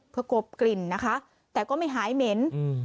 เพื่อกบกลิ่นนะคะแต่ก็ไม่หายเหม็นอืม